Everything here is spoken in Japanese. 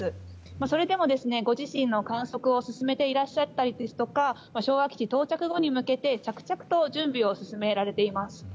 それでもご自身の観測を進めていらっしゃったりですとか昭和基地、到着後に向けて着々と進められています。